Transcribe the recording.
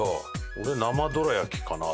俺生どら焼きかな。